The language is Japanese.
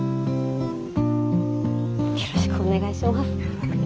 よろしくお願いします。